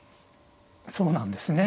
そうなんですね。